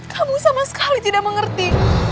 kamu sama sekali tidak mengerti